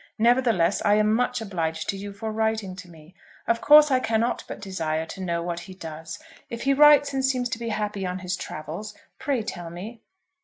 Nevertheless, I am much obliged to you for writing to me. Of course I cannot but desire to know what he does. If he writes and seems to be happy on his travels, pray tell me.